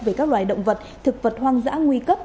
về các loài động vật thực vật hoang dã nguy cấp